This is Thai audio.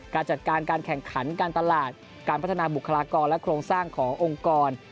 การจัดการการแข่งขันการตลาดการพัฒนาบุคลากรและโครงสร้างขององค์กร